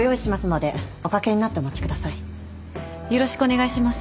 よろしくお願いします。